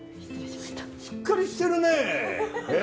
しっかりしてるねえ！